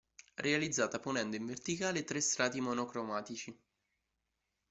Realizzata ponendo in verticale tre strati monocromatici.